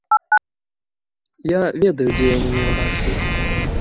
Я ведаю, дзе я не меў рацыі.